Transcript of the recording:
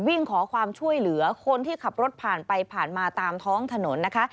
วิ่งขอความช่วยเหลือคนที่ขับรถผ่านไปผ่านมาตามท้องถนนนะคะ